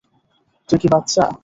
তুই কি বাচ্চা?